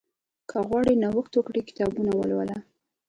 که غواړې نوښت وکړې، کتابونه ولوله.